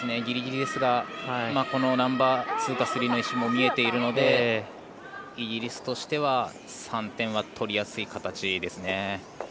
ギリギリですがこのナンバーツーかスリーの石が見えているのでイギリスとしては３点は取りやすい形ですね。